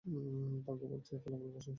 প্রজ্ঞা বলছে, এই ফলাফল প্রশংসনীয়।